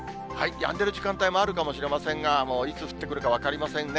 やんでる時間帯もあるかもしれませんが、もういつ降ってくるか分かりませんね。